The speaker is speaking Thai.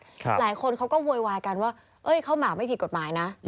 หลายคนเขาก็โวยวายกันว่าเอ้ยข้าวหมากไม่ผิดกฎหมายนะ